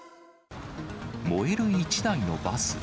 燃える１台のバス。